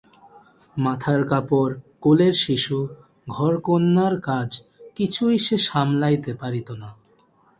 মাথার কাপড়, কোলের শিশু, ঘরকন্নার কাজ কিছুই সে সামলাইতে পারিত না।